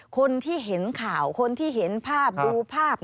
คนที่เห็นข่าวคนที่เห็นภาพดูภาพ